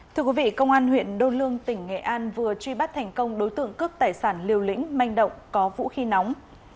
thưa quý vị công an huyện đô lương tỉnh nghệ an vừa truy bắt thành công đối tượng cướp tài sản liều lĩnh manh động có vũ khí nóng